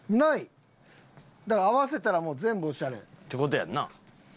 だから合わせたらもう全部オシャレ。って事やんな。